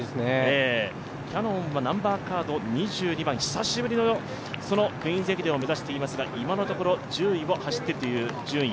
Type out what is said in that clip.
キヤノンは２２番、久しぶりのクイーンズ駅伝を目指していますが今のところ１０位を走っているという順位。